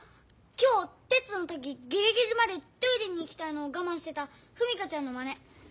今日テストの時ギリギリまでトイレに行きたいのをがまんしてた史佳ちゃんのまね。